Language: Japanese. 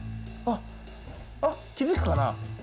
ああっ気づくかな？